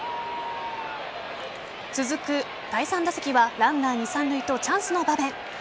続く第３打席はランナー二・三塁とチャンスの場面。